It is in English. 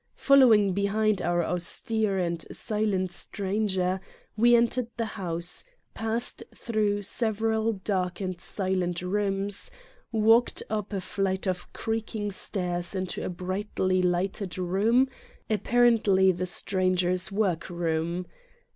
Fol lowing behind our austere and silent stranger we entered the house, passed through several dark and silent rooms, walked up a flight of creaking stairs into a brightly lighted room, apparently the stranger's workroom.